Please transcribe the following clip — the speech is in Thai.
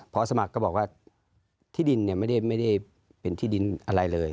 พอสมัครก็บอกว่าที่ดินไม่ได้เป็นที่ดินอะไรเลย